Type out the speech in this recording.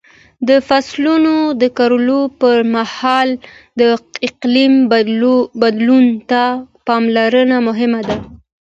د فصلونو د کرلو پر مهال د اقلیم بدلون ته پاملرنه مهمه ده.